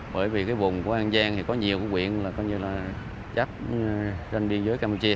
bởi vì vùng của an giang có nhiều huyện chấp trên biên giới campuchia